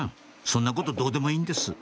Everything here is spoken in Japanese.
そんなことどうでもいいんです